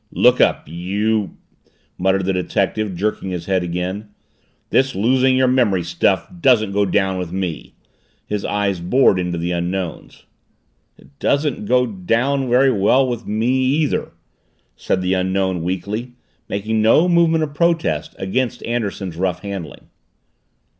"Look up, you " muttered the detective, jerking his head again. "This losing your memory stuff doesn't go down with me!" His eyes bored into the Unknown's. "It doesn't go down very well with me either," said the Unknown weakly, making no movement of protest against Anderson's rough handling.